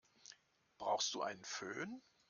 Brauchst du einen Fön?